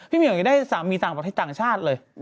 พี่เมียเห็นไงได้สามีต่างประชาชน์เลย